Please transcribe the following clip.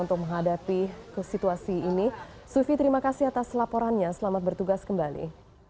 terima kasih atas laporannya selamat bertugas kembali